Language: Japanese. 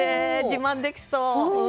自慢できそう。